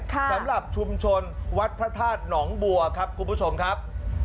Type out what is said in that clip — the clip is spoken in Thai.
สำหรับชุมชนวัดพระธาตุหนองบัวครับคุณผู้ชมครับ